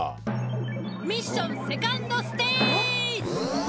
ミッションセカンドステージ。